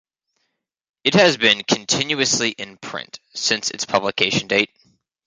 It has been continuously in print since its publication date.